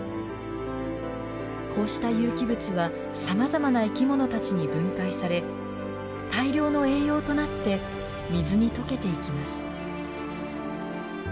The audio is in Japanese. こうした有機物はさまざまな生きものたちに分解され大量の栄養となって水に溶けていきます。